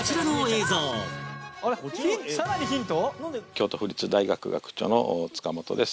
京都府立大学学長の塚本です